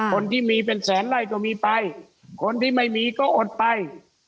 คนที่มีเป็นแสนไล่ก็มีไปคนที่ไม่มีก็อดไป